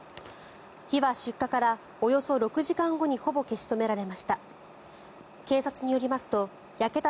火は、出火からおよそ６時間後にほぼ消し止められました。